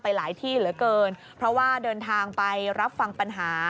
หลายที่เหลือเกินเพราะว่าเดินทางไปรับฟังปัญหา